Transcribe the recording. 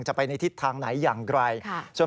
ไปในทิศทางไหนอย่างไร